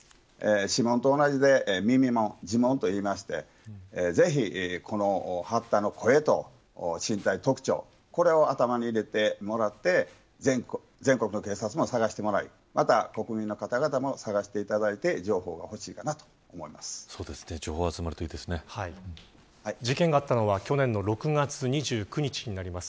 指紋と同じで耳も耳紋といいましてぜひ八田の声と身体的特徴これを頭に入れてもらって全国の警察も探してもらいまた国民の方々も探していただいて事件があったのは去年の６月２９日になります。